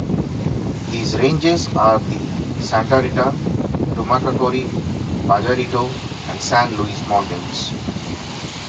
These ranges are the Santa Rita, Tumacacori, Pajarito, and San Luis Mountains.